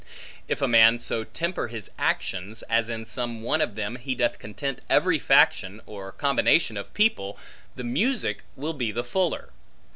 If a man so temper his actions, as in some one of them he doth content every faction, or combination of people, the music will be the fuller.